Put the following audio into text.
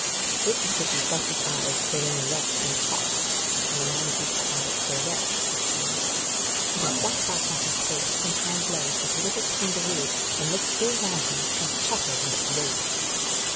Rikki tikki felt his eyes growing red and hot (when a mongoose's eyes grow red, he is angry), and he sat back on his tail and hind legs like a little kangaroo, and looked all round him, and chattered with rage.